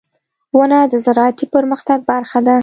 • ونه د زراعتي پرمختګ برخه ده.